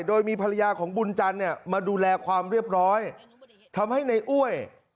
โดยมีภรรยาของบุญจันทร์เนี่ยมาดูแลความเรียบร้อยทำให้ในอ้วย